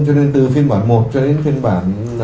cho nên từ phiên bản một cho đến phiên bản